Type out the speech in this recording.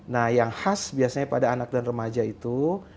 nah yang khas biasanya pada anak dan remaja itu